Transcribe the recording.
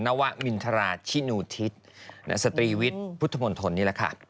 นวมินทราชินูทิศสตรีวิทย์พุทธมนตรนี่แหละค่ะ